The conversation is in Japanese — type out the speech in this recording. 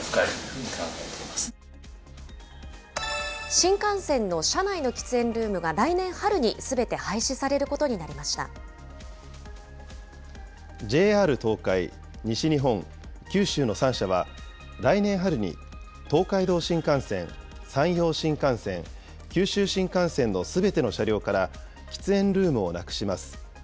新幹線の車内の喫煙ルームが来年春にすべて廃止されることにＪＲ東海、西日本、九州の３社は、来年春に東海道新幹線、山陽新幹線、九州新幹線のすべての車両から、喫煙ルームをなくします。